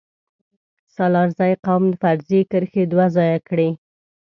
سلارزی قوم فرضي کرښې دوه ځايه کړي